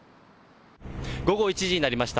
午後１時になりました。